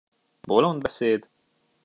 Bolond beszéd!